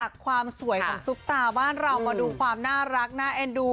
ความสวยของซุปตาบ้านเรามาดูความน่ารักน่าเอ็นดู